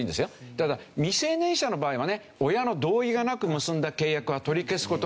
ただ未成年者の場合はね親の同意がなく結んだ契約は取り消す事ができたわけですよ。